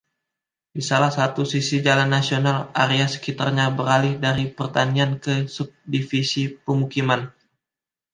Di salah satu sisi Jalan Nasional, area sekitarnya beralih dari pertanian ke subdivisi pemukiman.